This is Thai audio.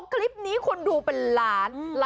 ใครออกแบบห้องน้ำวะ